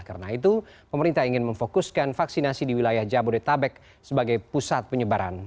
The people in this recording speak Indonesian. karena itu pemerintah ingin memfokuskan vaksinasi di wilayah jabodetabek sebagai pusat penyebaran